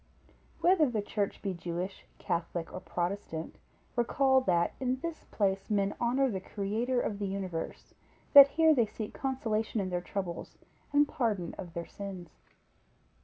Whether the church be Jewish, Catholic, or Protestant, recollect, that in this place men honor the Creator of the Universe; that here they seek consolation in their troubles, and pardon of their sins.